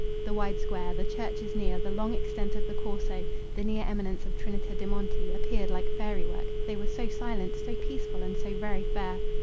The wide square, the churches near, the long extent of the Corso, the near eminence of Trinita de' Monti appeared like fairy work, they were so silent, so peaceful, and so very fair.